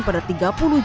pada tahun tahun dua ribu